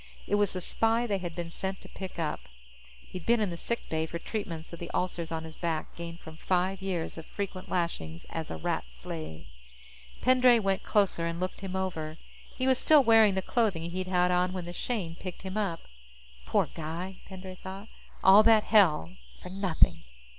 It was the spy they had been sent to pick up. He'd been in the sick bay for treatments of the ulcers on his back gained from five years of frequent lashings as a Rat slave. Pendray went closer and looked him over. He was still wearing the clothing he'd had on when the Shane picked him up. Poor guy, Pendray thought. _All that hell for nothing.